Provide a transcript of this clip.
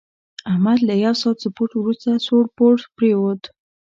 احمد له یوه ساعت سپورت ورسته سوړ پوړ پرېوت.